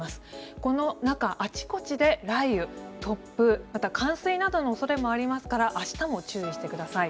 この中あちこちで雷雨、突風また冠水などの恐れもありますから明日も注意してください。